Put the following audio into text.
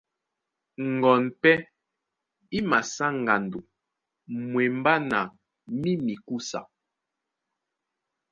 Ŋgoɔn pɛ́ í masá ŋgando mwembá na mí mikúsa.